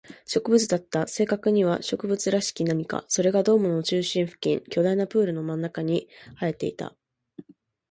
植物だった。正確には植物らしき何か。それがドームの中心付近、巨大なプールの真ん中に生えていた。